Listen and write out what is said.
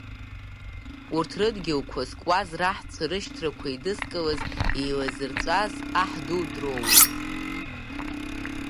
Урҭ рыдгьылқәа зкуаз раҳцәа рышьҭрақәа еидызкылаз, еилазырҵәаз аҳ ду дроуит.